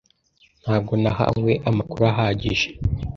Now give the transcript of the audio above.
Ntabwo nahawe amakuru ahagije.